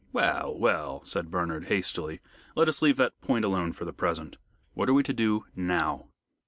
"Well! well!" said Bernard, hastily, "let us leave that point alone for the present. What are we to do now?"